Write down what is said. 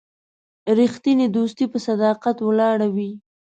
رښتینی دوستي په صداقت ولاړه وي.